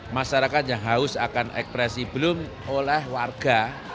masyarakat yang haus akan ekspresi belum oleh warga